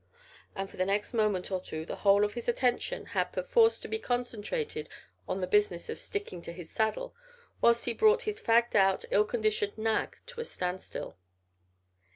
And for the next moment or two the whole of his attention had perforce to be concentrated on the business of sticking to his saddle whilst he brought his fagged out, ill conditioned nag to a standstill.